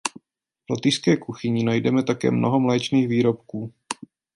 V lotyšské kuchyni najdeme také mnoho mléčných výrobků.